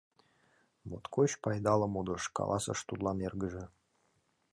— Моткоч пайдале модыш, — каласыш тудлан эргыже.